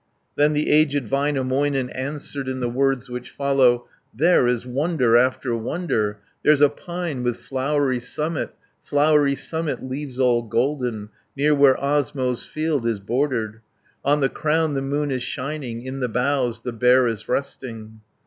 Then the aged Väinämöinen Answered in the words which follow: "There is wonder after wonder; There's a pine with flowery summit, Flowery summit, leaves all golden, Near where Osmo's field is bordered. On the crown the moon is shining, In the boughs the Bear is resting."